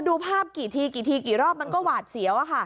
ดูภาพกี่ทีกี่ทีกี่รอบมันก็หวาดเสียวอะค่ะ